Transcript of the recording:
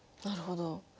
なるほど。